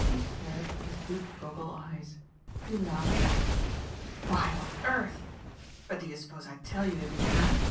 He stared with his good goggle eyes he laughed out. "Why on earth ? But do you suppose I'd tell you if he had?"